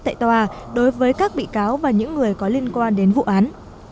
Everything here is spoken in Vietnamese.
tại tòa đối với các bị cáo và những người có liên quan đến vụ án